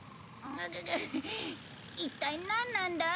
一体なんなんだ？